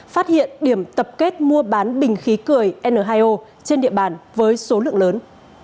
phát hiện điểm tập kết mua bán bình khí cười n hai o trên địa bàn với số lượng lớn